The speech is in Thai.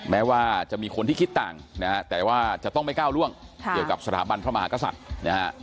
แม้ว่าจะมีคนที่คิดต่างนะฮะแต่ว่าจะต้องไม่ก้าวล่วงเกี่ยวกับสถาบันพระมหากษัตริย์นะฮะ